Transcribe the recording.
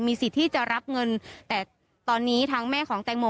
สิทธิ์ที่จะรับเงินแต่ตอนนี้ทางแม่ของแตงโม